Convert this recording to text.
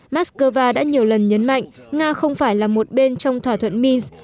moscow đã nhiều lần nhấn mạnh nga không phải là một bên trong thỏa thuận minsk